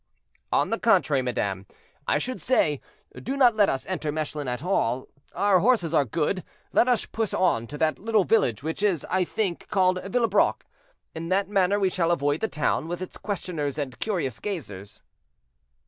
"On the contrary, madame, I should say, do not let us enter Mechlin at all; our horses are good, let us push on to that little village which is, I think, called Villebrock; in that manner we shall avoid the town, with its questioners and curious gazers."